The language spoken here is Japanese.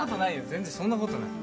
全然そんなことない。